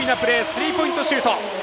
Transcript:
スリーポイントシュート！